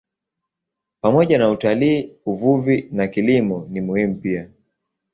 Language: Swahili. Pamoja na utalii, uvuvi na kilimo ni muhimu pia.